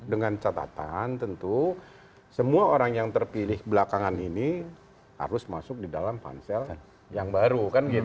dengan catatan tentu semua orang yang terpilih belakangan ini harus masuk di dalam pansel yang baru